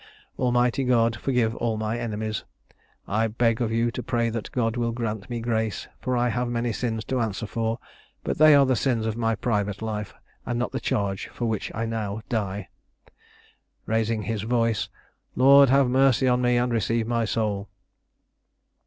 Almighty God, forgive all my enemies. I beg of you to pray that God will grant me grace for I have many sins to answer for; but they are the sins of my private life, and not the charge for which I now die. (Raising his voice.) Lord have mercy on me, and receive my soul."